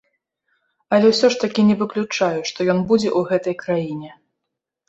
Але ўсё ж такі не выключаю, што ён будзе ў гэтай краіне.